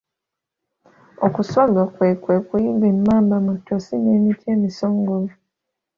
Okuswaga kwe kwe kuyigga emmamba mu ttosi n'emiti emisongovu